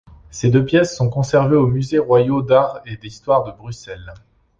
Ces deux pièces sont conservées aux Musées royaux d'art et d'histoire de Bruxelles.